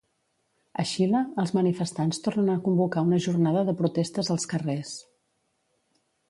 A Xile, els manifestants tornen a convocar una jornada de protestes als carrers.